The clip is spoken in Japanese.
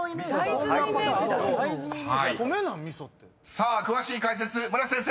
さあ詳しい解説村瀬先生